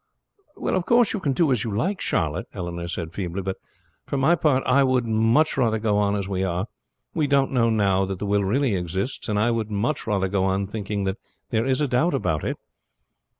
"Of course you can do as you like, Charlotte," Eleanor said feebly; "but for my part I would much rather go on as we are. We don't know now that the will really exists, and I would much rather go on thinking that there is a doubt about it."